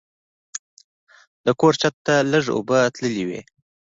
د کور چت ته لږ اوبه تللې وې.